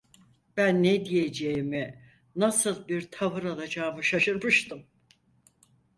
Ben ne diyeceğimi nasıl bir tavır alacağımı şaşırmıştım.